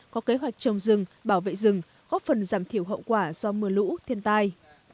có kế hoạch trồng rừng bảo vệ rừng góp phần giảm thiểu hậu quả do mưa lũ thiên tai